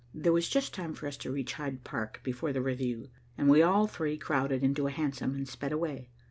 There was just time for us to reach Hyde Park before the review, and we all three crowded into a hansom and sped away.